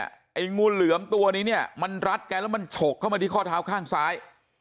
ไอ้งูเหลือมตัวนี้เนี่ยมันรัดแกแล้วมันฉกเข้ามาที่ข้อเท้าข้างซ้าย